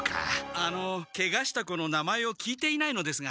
あのケガした子の名前を聞いていないのですが。